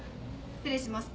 失礼します。